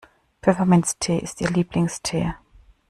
Pfefferminztee ist ihr Lieblingstee.